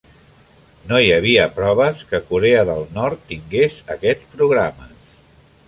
No hi havia proves que Corea del Nord tingués aquests programes.